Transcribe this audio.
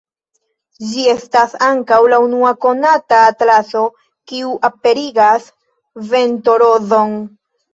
Ĝi estas ankaŭ la unua konata atlaso kiu aperigas ventorozon.